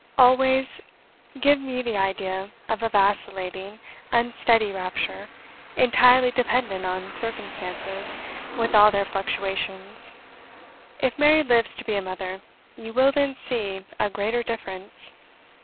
's always gives me the idea of a vacillating, unsteady rapture, entirely dependent on circumstances with all their fluctuations. If Mary lives to be a mother, you will then see a greater difference.